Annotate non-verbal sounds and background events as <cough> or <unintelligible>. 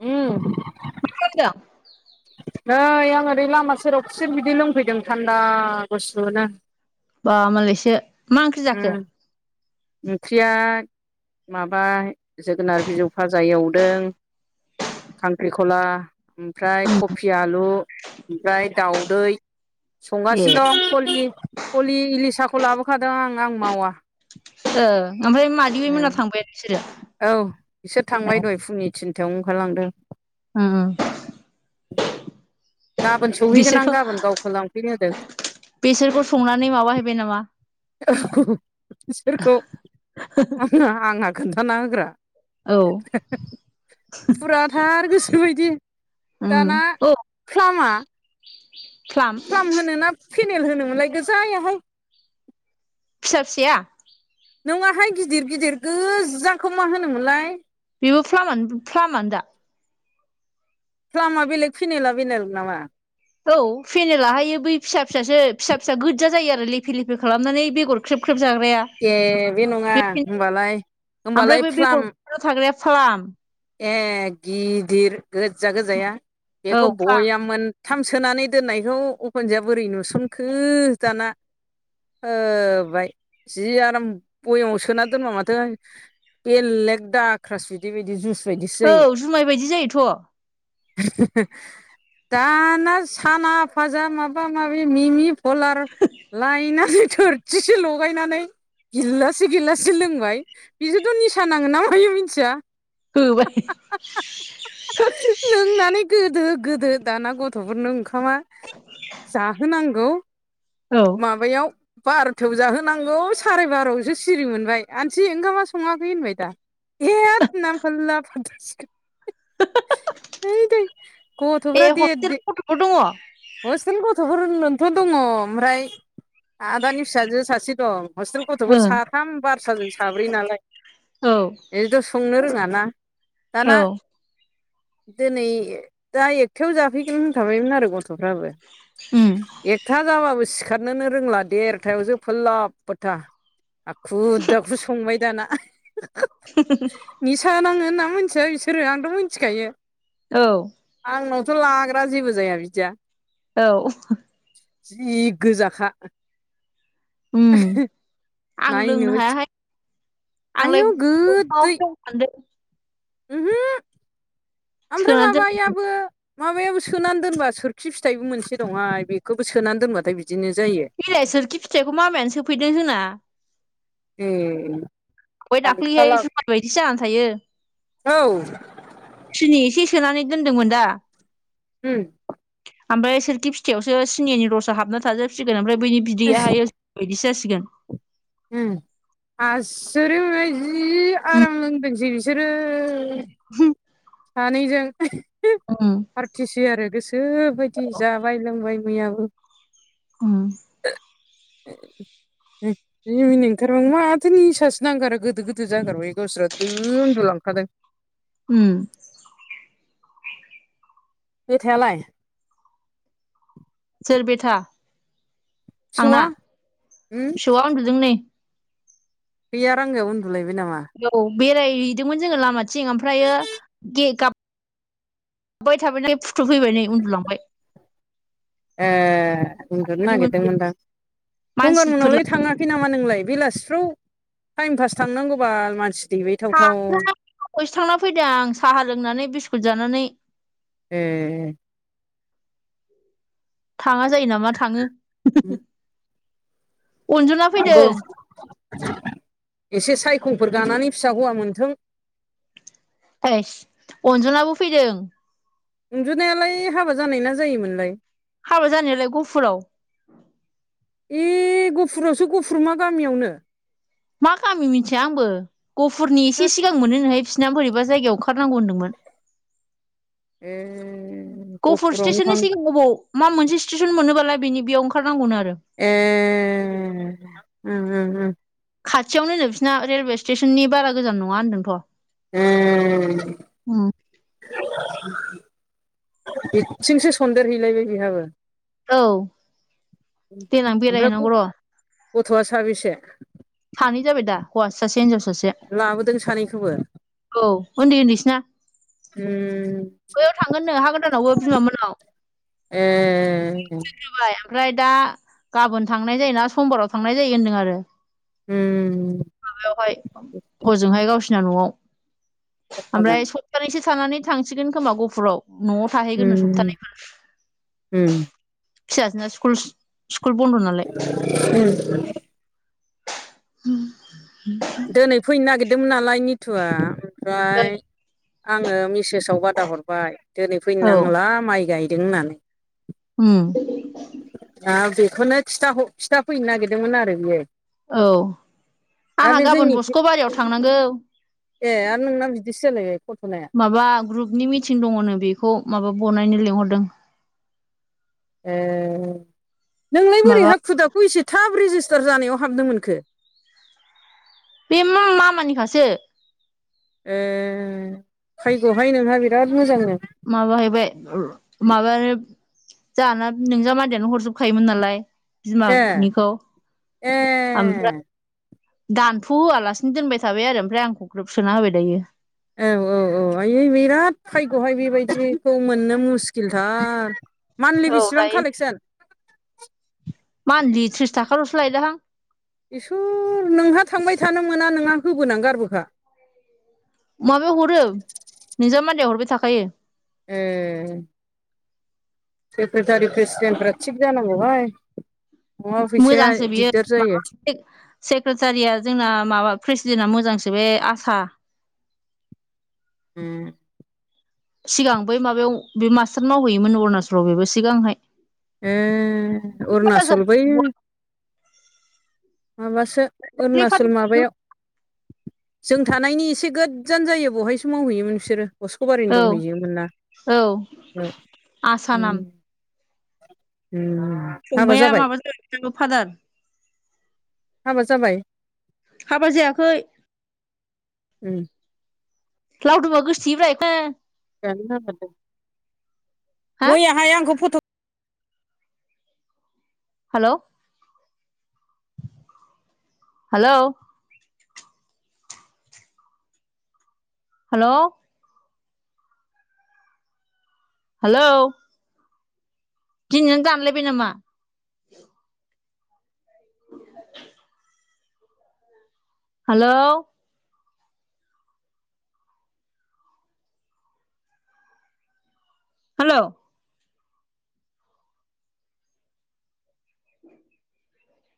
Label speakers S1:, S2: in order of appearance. S1: उम
S2: मा खालामदों
S1: नै आं ओरै लामा सेराव खुसेर बिदै लोंफैदों थान्दा गुसुनो
S2: बा मालायसो मा ओंख्रि जाखो
S1: उम ओंख्रिया माबा जोगोनार बिजौ फाजा एवदों खांख्रिखला ओमफ्राय कबि आलु ओमफ्राय दाउदै
S2: ए
S1: संगासिनो दं फलि फलि इलिसाखौ लाबोखादों आं आं मावा
S2: ओ ओमफ्राय मादिमि मोना थांबायानो बिसोरो
S1: औ बिसोर थांबाय दहाय फुंनि थिनथायावनो ओंखारलांदों
S2: उम उम
S1: गाबोन सौहैगोन आं
S2: बिसोरखौ
S1: गाबोन गावखौ लांफैनो होदों
S2: बिसोरखौ संनानै माबाहैबाय नामा
S1: औ बिसोरखौ आंहा आंहा खोन्थाना होग्रा
S2: औ
S1: फुराथार गोसो बायदि
S2: उम
S1: दाना
S2: औ
S1: फ्लामा
S2: फ्लाम
S1: फ्लाम होनो ना पेनेल होनोमोनलाय गोजायाहाय
S2: फिसा फिसाया
S1: नोंङा हाय गिदिर गिदिर गोजाखौ मा होनोमोनलाय
S2: बेबो फ्लामानो फ्लामानो दा
S1: फ्लामा बेलेग फेनेला बेलेग नामा
S2: औ फेनेलाहायो बै फिसा फिसासो फिसा फिसा गोजा जायो आरो लेफे लेफे खालामनानै बेगर ख्रेब ख्रेब जाग्राया
S1: ए बे नङा होमबालाय
S2: ओमफ्राय
S1: होमबालाय
S2: बे बेगर
S1: फ्लाम
S2: थाग्राया फ्लाम
S1: ए गिदिर गोजा गोजाया
S2: औ
S1: बेखौ
S2: फ्लाम
S1: बयाममोन थाम सोनानै दोननायखौ अखुनजोया बोरै नुसनखो दाना होबाय जि आराम बयामाव सोना दोनबा माथो बेलेग दा क्रास बिदै बायदि जुइस बायदिसो
S2: औ
S1: जायो
S2: जुमाय बायदि जायोथ'
S1: <inaudible> दाना साना फाजा माबा माबि मिमि फलार लाइनानै थोरसिसे लगायनानै गिलासे गिलासे लोंबाय बिजोंथ' निसा नाङोन ना मायो मिथिया।
S2: होबाय <inaudible>
S1: लोंनानै गोदो गोदो दाना गथ'फोरनो ओंखामा जाहो नांगौ
S2: औ।
S1: माबायाव बार'थायाव जाहोनांगौ साराय बारायावसो सिरि मोनबाय आनथि ओंखामा सङाखै होनबाय दा। <unintelligible>
S2: बे
S1: दे
S2: हस्टेल
S1: दे
S2: गथ'बो दङ?
S1: हस्टेल गथ'फोरनोनथ' दङ ओमफ्राय आदानि फिसाजो सासे दं हस्टेल गथ'फोर
S2: ओं
S1: साथाम बारसाजों साब्रै नालाय
S2: औ
S1: बेथ' संनो रोङाना दाना
S2: औ
S1: दिनै दा एकथायाव जाफैगोन होनखाबायमोन आरो गथ'फ्राबो
S2: उम
S1: एकथा जाबाबो सिखारनोनो रोंला देरथायावसो फोलाब फोथा हाखु दाखु संबाय दाना
S2: <inaudible>
S1: निसा नाङो होनना मिथिया बिसोरो आंथ' मिथिखायो।
S2: औ।
S1: आंनावथ' लाग्रा जेबो जाया बिदिया।
S2: औ <inaudible>
S1: जि गोजाखा।
S2: उम आं लोंनो
S1: नायनोबो
S2: हायाहाय।
S1: आयौ
S2: आंलाय दंफांआवसो दं सान्दों।
S1: ओमहो ओमफ्राय
S2: सोना दोनदों
S1: माबायाबो माबायाबो सोनान दोनबा सोरखि फिथाइबो मोनसे दंहाय बेखौबो सोनान दोनबाथाय बिदिनो जायो।
S2: बिलाइ सोरखि फिथाइखौ मामायानो सोफैदों जोंना
S1: ए।
S2: बहाय दाख्लैहाय
S1: फाला
S2: जुमाय बायदिसो जानान थायो।
S1: औ
S2: सिनि एसे सोनानै दोन्दोंमोन दा।
S1: उम।
S2: ओमफ्राय सोरखि फिथाइावसो सिनिनि रसआ हाबना थाजोबसिगोन ओमफ्राय बैनि बिदैयाहायो <unintelligible> जासिगोन।
S1: उम आसोरित मोनबाय जि
S2: उम
S1: आराम लोंदोंसै बिसोरो।
S2: <unintelligible>
S1: सानैजों <inaudible>
S2: उम।
S1: फारथिसै आरो गोसोबायदि जाबाय लोंबाय मैयाबो।
S2: उम
S1: <unintelligible> जि मिनिनो ओंखारबाय आं माथो निसासो नांगारो गोदो गोदो जागारबाय गावसोरा दो उन्दुलांखादों।
S2: उम।
S1: बेथायालाय?
S2: सोर बेथा? आंना
S1: फिसौआ उम
S2: फिसौआ उन्दुदों नै।
S1: गैया रांगायाव उन्दुलायबाय नामा?
S2: औ बेरायहैदोंमोन जोङो लामाथिं ओमफ्रायो गे गाब गाबबाय थानायखाय फुथुफैबाय नै उन्दुलांबाय।
S1: ए उन्दुनो
S2: थादोंमोन बियो।
S1: नागिरदोंमोनदां गंगार
S2: मानसिफोर
S1: मोनावलाय थाङा? खै नामा नोंलाय बेलासिफ्राव टाइम पास थांनांगौबाल मानसि
S2: थाङा
S1: दैबायथावथाव।
S2: दहायसो थांना फैदों आं साहा लोंनानै बिस्कुट जानानै।
S1: ए।
S2: थाङा जायो नामा थाङो। अनजना फैदों
S1: थांनांगौ <inaudible> एसे सायखंफोर गानानै फिसा हौवा मोनथों।
S2: थोस अनजनाबो फैदों।
S1: अनजुनायालाय हाबा जानाय ना जायिमोनलाय?
S2: हाबा जानायालाय गहफुराव।
S1: ए गफुरावसो गफुर मा गामियावनो?
S2: मा गामि मिथिया आंबो गहफुरनि एसे
S1: होद
S2: सिगां मोनो नोहाय बिसिना बोरैबा जायगायाव ओंखारनांगौ होनदोंमोन।
S1: ए
S2: गफुर
S1: गफुरावनो
S2: स्टेसननि
S1: थां
S2: सिगां अबाव मा मोनसे स्टेसन मोनोबालाय बेनि बेयाव ओंखारनांगौनो आरो।
S1: ए। उम उम उम।
S2: खाथियावनोनो बिसिना रेलवे स्टेसननि बारा गोजान नङा होन्दोंथ'।
S1: उम <inaudible> ब्बिथिंसो सन्देरहैलायबाय बेहाबो?
S2: औ देनां
S1: ओमफ्राय
S2: बेरायहैनांगौ र'
S1: ग-गथ'आ साबेसे?
S2: सानै जाबाय दा हौवासा सासे हिन्जाव सासे।
S1: लाबोदों सानैखौबो?
S2: औ ओन्दै ओन्दैसोना।
S1: उम
S2: बैयाव थांगोननो हा गोदानावबो बिमा मोननाव
S1: ए
S2: होबाय ओमफ्राय दा गाबोन थांनाय जायोना समबाराव थांनाय जायो होनदों आरो।
S1: उम
S2: माबायावहाय हजोंहाय गावसिना न'आव। ओमफ्राय सप्तानैसो थानानै थांसिगोन खोमा गहफुराव न'आव थाहैगोननो
S1: उमम
S2: सप्तानै
S1: उम।
S2: फिसाजो स्कुल-स्कुल बन्द' ना
S1: उम
S2: <inaudible>
S1: दोनै फैनो नागिरदोंमोन नालाय निथुआ ओमफ्राय
S2: नालाय
S1: आङो मिसेस साव बादा हरबाय दोनै फैनो
S2: औ
S1: नांला माइ गायदों होननानै
S2: होम
S1: दा बेखौनो खिथर-खिथाफैनो नागिरदोंमोन आरो बियो।
S2: औ
S1: दा
S2: आंहा
S1: बे
S2: गाबोन
S1: जोंनि
S2: बस्क'बारियाव थांनांगौ।
S1: ए आरो नोंना बिदि सोलायबाय खथ'नाया।
S2: माबा ग्रुपनि थिं दङनो बेखौ माबा बनायनो लिंहरदों।
S1: ए नोंलाय बोरै
S2: माबा
S1: हाखु दाखु एसे थाब रेजिस्टार जानायाव हाबनो मोनखो?
S2: बे म-मामानिखासो।
S1: ए फायग'हाय नोंहा बिराद मोजांनो।
S2: माबाहैबाय माबानो जाहाना नोंजामादैयानो हरजोबखायोमोन नालाय।
S1: ए
S2: बिमानिखौ ओमफ्राय
S1: ए
S2: दानथ' होआलासिनो दोनबाय थाबाय आरो ओमफ्राय आंखौ ग्रोब सोना होबाय दायो। औ
S1: औ आय बिराद भायग'हाय बेबायदिखौ मोननो मुस्किलथार। मान्थलि
S2: औ
S1: बेसिबां
S2: दायो
S1: कालेक्सन?
S2: मान्थलि त्रिस थाखाल'सो लायदोंहां।
S1: इसोर नोंहा थांबाय थानो मोना नोंहा होबोनानै गारबोखा।
S2: माबायाव हरो नोंजामादैया हरबाय थाखायो।
S1: ए सेक्रेटारि प्रेसिडेन्टफ्रा थिग जानांगौहाय नङाबा फैसाया दिगदार जायो।
S2: से-सेक्रेटारिया जोंना माबा प्रेसिडेन्टा मोजांसो बे आसा
S1: उम
S2: सिगां बै माबायाव बे मास्टार मावहैयोमोन अरुणाचलाव बेबो सिगांहाय।
S1: ए अरुनाचल बै माबासो अरुनाचल माबायाव जों थानायनि एसे गोजान जायो बहायसो मावहैयोमोन बिसोरो अस्क'बारिनो
S2: औ
S1: दंहैयोमोन ना
S2: औ
S1: औ।
S2: आसा नाम
S1: <inaudible>
S2: फंबाया
S1: जाबाय
S2: माबा <inaudible> फादार
S1: हाबा जाबाय?
S2: हाबा जायाखै।
S1: उम
S2: लावदुमा गोसोथोयोब्रा <inaudible>
S1: <inaudible>
S2: हा
S1: मैयाहाय आंखौ फथ
S2: हेल' हेलौ हेल' हेलौ दिनैना दानलायबाय नामा? <inaudible> Hello hello